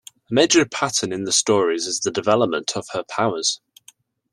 A major pattern in the stories is the development of her powers.